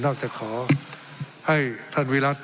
ทั้งสองกรณีผลเอกประยุทธ์